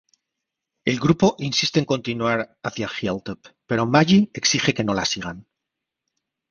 El grupo insiste en continuar hacia Hilltop, pero Maggie exige que no la sigan.